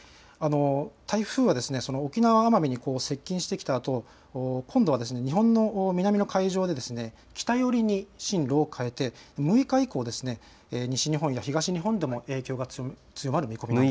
台風は沖縄・奄美に接近してきたあと今度は日本の南の海上で北寄りに進路を変えて６日以降、西日本や東日本でも影響が強まる見込みです。